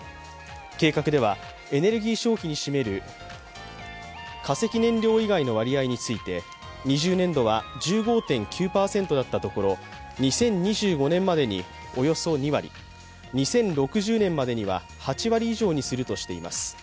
計画では、エネルギー消費に占める、化石燃料以外の割合について２０年度は１５．９％だったところ２０２５年までにおよそ２割、２０６０年までには８割以上にするとしています。